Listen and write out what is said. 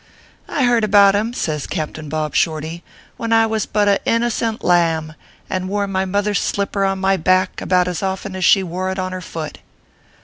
" I heard about him," says Captain Bob Shorty, "when I was but a innocent lamb, and wore my mother s slipper on my back about as often as she wore it on her foot."